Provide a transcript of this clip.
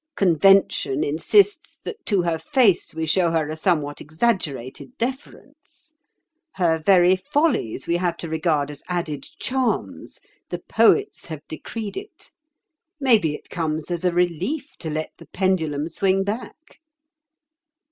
Convention insists that to her face we show her a somewhat exaggerated deference. Her very follies we have to regard as added charms—the poets have decreed it. Maybe it comes as a relief to let the pendulum swing back."